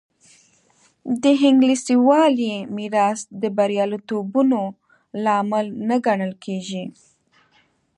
د انګلیسي والي میراث د بریالیتوبونو لامل نه ګڼل کېږي.